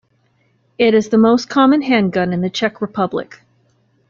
It is the most common handgun in the Czech Republic.